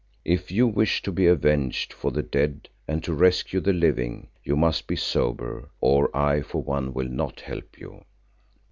If you wish to be avenged for the dead and to rescue the living, you must be sober, or I for one will not help you."